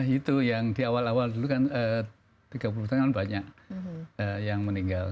itu yang di awal awal dulu kan tiga puluh tahun lalu banyak yang meninggal